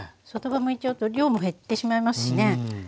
外葉むいちゃうと量も減ってしまいますしね。